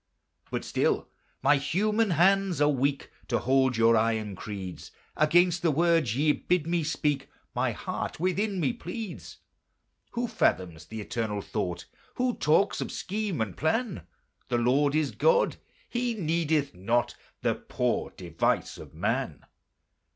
But still my human hands are weak To hold your iron creeds: Against the words ye bid me speak My heart within me pleads. Who fathoms the Eternal Thought? Who talks of scheme and plan? The Lord is God! He needeth not The poor device of man.